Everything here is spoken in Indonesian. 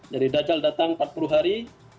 jadi dajjal datang empat puluh hari